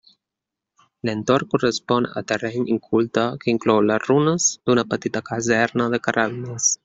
L'entorn correspon a terreny inculte que inclou les runes d'una petita caserna de carrabiners.